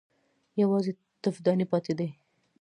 _يوازې تفدانۍ پاتې دي.